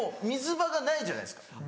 水場がないじゃないですか。